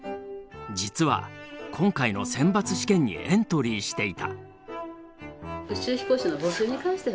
実は今回の選抜試験にエントリーしていた。